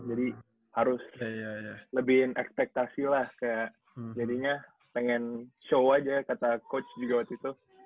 harus lebihin ekspektasi lah kayak jadinya pengen show aja kata coach juga waktu itu